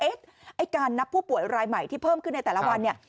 ไอ้การนับผู้ป่วยรายใหม่ที่เพิ่มขึ้นในแต่ละวันเนี่ย